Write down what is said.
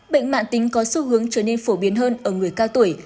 bệnh mạng tính có xu hướng trở nên phổ biến hơn ở người cao tuổi